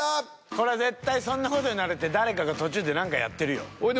これは絶対そんな事になるって誰かが途中で何かやってるよ。